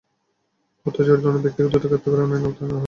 হত্যায় জড়িত অন্য ব্যক্তিদের দ্রুত গ্রেপ্তার করে আইনের আওতায় আনা হবে।